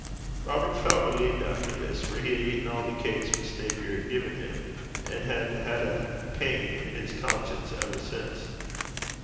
Robert felt relieved after this, for he had eaten all the cakes Miss Napier had given him, and had had a pain in his conscience ever since.